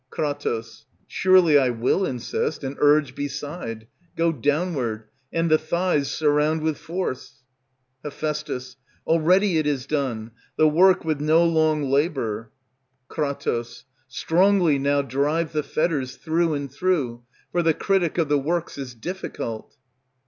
Kr. Surely I will insist and urge beside; Go downward, and the thighs surround with force. Heph. Already it is done, the work, with no long labor. Kr. Strongly now drive the fetters, through and through, For the critic of the works is difficult.